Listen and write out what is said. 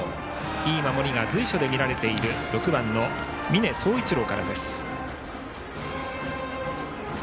いい守りが随所で見られている６番、峯蒼一郎からです。